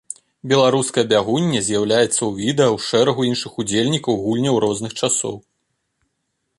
Беларуская бягуння з'яўляецца ў відэа ў шэрагу іншых удзельнікаў гульняў розных часоў.